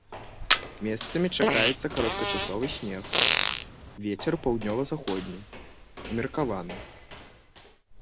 Месцамі чакаецца кароткачасовы снег, вецер паўднёва-заходні, умеркаваны.